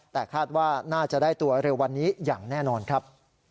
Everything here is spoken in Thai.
แต่คาดว่าน่าจะได้ตัวเร็ววันนี้อย่างแน่นอนครับ